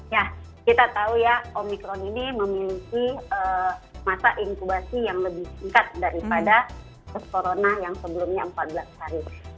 ya kita tahu ya omikron ini memiliki masa inkubasi yang lebih singkat daripada virus corona yang sebelumnya empat belas hari